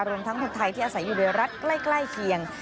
รวมทั้งคนไทยที่อาศัยอยู่ในรัฐใกล้เคียง